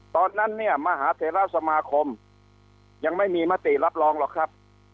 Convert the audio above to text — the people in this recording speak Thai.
ตอนนั้นเนี่ยมหาเทราสมาคมยังไม่มีมติรับรองหรอกครับ